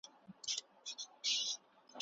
خو چي راغلې پر موږ کرونا ده